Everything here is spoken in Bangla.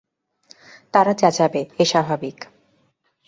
তারা চেঁচাবে, এ স্বাভাবিক।